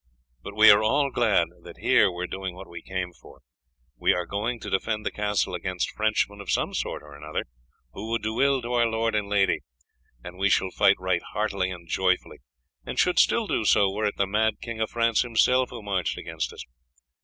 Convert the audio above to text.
But we are all glad that here we are doing what we came for; we are going to defend the castle against Frenchmen of some sort or other who would do ill to our lord and lady, and we shall fight right heartily and joyfully, and should still do so were it the mad king of France himself who marched against us.